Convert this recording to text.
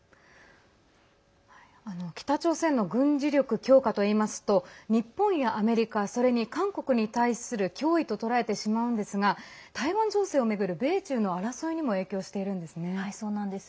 北朝鮮の軍事力強化といいますと日本やアメリカそれに韓国に対する脅威と捉えてしまうんですが台湾情勢を巡る米中の争いにも影響しているんですね。